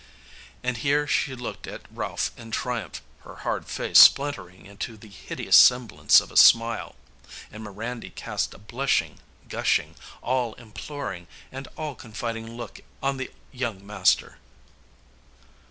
And here she looked at Ralph in triumph, her hard face splintering into the hideous semblance of a smile. And Mirandy cast a blushing, gushing, all imploring, and all confiding look on the young master.